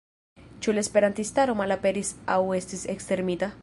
Ĉu la esperantistaro malaperis aŭ estis ekstermita?